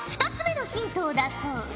２つ目のヒントを出そう。